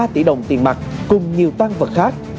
ba tỷ đồng tiền mặt cùng nhiều tăng vật khác